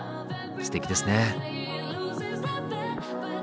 すてきですね。